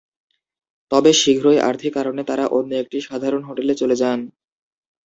তবে শীঘ্রই আর্থিক কারণে তাঁরা অন্য একটি সাধারণ হোটেলে চলে যান।